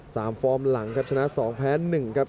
ฟอร์มหลังครับชนะสองแพ้หนึ่งครับ